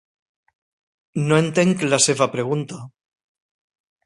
No entenc la seva pregunta.